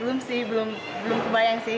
belum sih belum kebayang sih